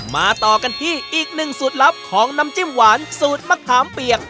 มาต่อกันที่อีกหนึ่งสูตรลับของน้ำจิ้มหวานสูตรมะขามเปียก